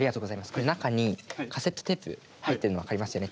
これ中にカセットテープ入ってるの分かりますよね。